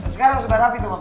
sekarang sudah rapi dong bapak